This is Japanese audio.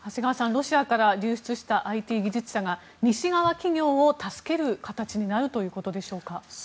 ロシアから流出したＩＴ技術者が西側企業を助ける形になるということでしょうか。